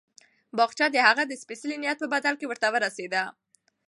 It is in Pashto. باغچه د هغه د سپېڅلي نیت په بدل کې ورته ورسېده.